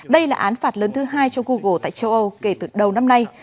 đây là án phạt lớn thứ hai cho google tại châu âu kể từ đầu năm nay